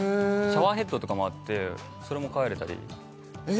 シャワーヘッドとかもあってそれもかえられたりえ